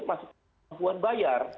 masih kemampuan bayar